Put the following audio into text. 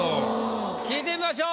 聞いてみましょう。